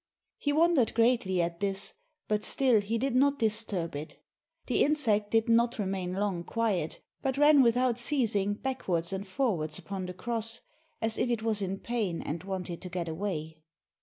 He wondered greatly at this, but still he did not disturb it. The insect did not remain long quiet, but ran without ceasing backwards and forwards upon the cross, as if it was in pain and wanted to get away.